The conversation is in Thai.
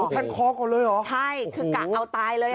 แทงคอร์กกันเลยเหรอโอ้โฮใช่คือกักเอาตายเลย